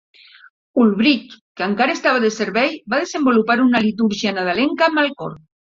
Ulbrich, que encara estava de servei, va desenvolupar una litúrgia nadalenca amb el cor.